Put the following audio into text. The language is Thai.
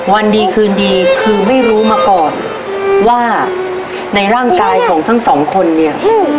วันดีคืนดีคือไม่รู้มาก่อนว่าในร่างกายของทั้งสองคนเนี่ย